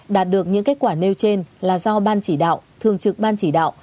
đạt được những kết quả nêu trên là do ban chỉ đạo thường trực ban chỉ đạo